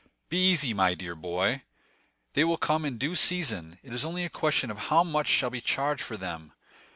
"Be easy, my dear boy; they will come in due season; it is only a question of how much shall be charged for them."